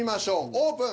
オープン。